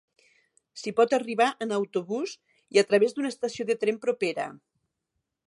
S'hi pot arribar en autobús i a través d'una estació de tren propera.